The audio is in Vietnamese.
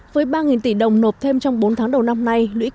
với ba tỷ đồng nộp thêm trong bốn tháng đầu năm nay